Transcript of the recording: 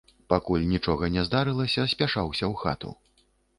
Пакуль нічога не здарылася, спяшалася ў хату.